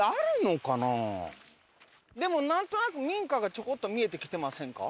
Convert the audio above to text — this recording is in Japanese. でもなんとなく民家がちょこっと見えてきてませんか？